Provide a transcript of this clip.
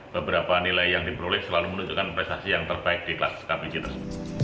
beberapa nilai yang diperoleh selalu menunjukkan prestasi yang terbaik di kelas kpg tersebut